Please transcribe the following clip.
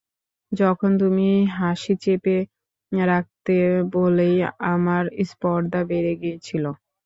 তখন তুমি হাসি চেপে রাখতে বলেই আমার স্পর্ধা বেড়ে গিয়েছিল।